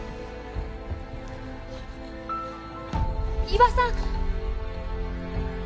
伊庭さん！